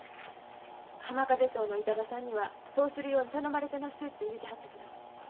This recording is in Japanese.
浜風荘の板場さんにはそうするように頼まれてますて言うてはったけど。